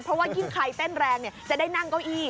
เพราะว่ายิ่งใครเต้นแรงจะได้นั่งเก้าอี้